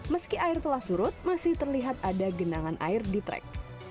meski air telah surut masih terlihat ada genangan air di trek